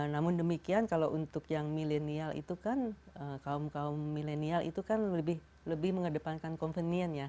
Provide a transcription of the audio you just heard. namun demikian kalau untuk yang milenial itu kan kaum kaum milenial itu kan lebih mengedepankan compenion ya